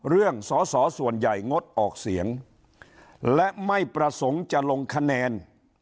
เรื่องสอสอส่วนใหญ่งดออกเสียงและไม่ประสงค์จะลงคะแนน